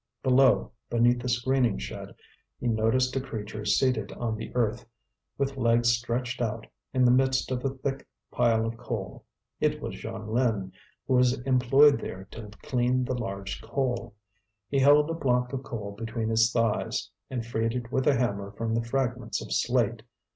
Below, beneath the screening shed, he noticed a creature seated on the earth, with legs stretched out, in the midst of a thick pile of coal. It was Jeanlin, who was employed there to clean the large coal. He held a block of coal between his thighs, and freed it with a hammer from the fragments of slate.